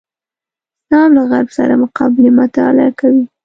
اسلام له غرب سره مقابلې مطالعه کوي.